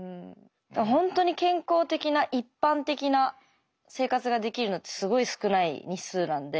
ほんとに健康的な一般的な生活ができるのってすごい少ない日数なんで。